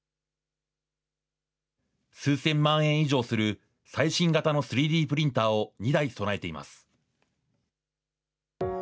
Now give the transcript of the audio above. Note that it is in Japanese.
数千万円以上する最新型の３Ｄプリンターを２台備えています。